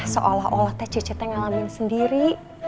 seolah olah teh cucu tuh ngalamin sendiri